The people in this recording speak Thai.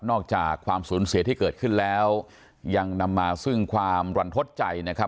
อกจากความสูญเสียที่เกิดขึ้นแล้วยังนำมาซึ่งความรันทดใจนะครับ